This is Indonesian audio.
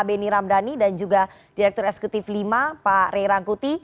benny ramdhani dan juga direktur eksekutif lima pak rey rangkuti